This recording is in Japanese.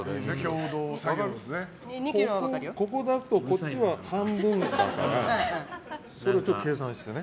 ここだと、こっちは半分だからそれを計算してね。